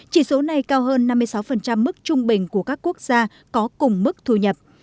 chỉ số này cao hơn năm mươi sáu mức trung bình của các quốc gia có cùng mức thu nhập